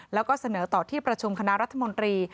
แล้วก็เสนอต่อที่ประชุมคณะรัฐมนตรี